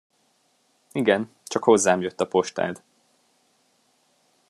Igen, csak hozzám jött a postád.